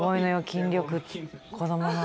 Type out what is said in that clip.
筋力子どもの。